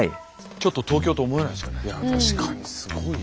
ちょっと東京と思えないですよね。